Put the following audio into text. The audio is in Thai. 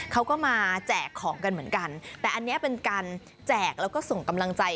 เขาก็มาแจกของกันเหมือนกันแต่อันนี้เป็นการแจกแล้วก็ส่งกำลังใจ